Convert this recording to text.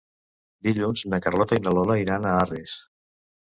Dilluns na Carlota i na Lola iran a Arres.